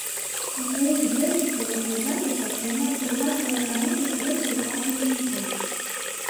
У сваіх дзённікавых запісах яна прыгадвае адну сустрэчу ў хаце лесніка.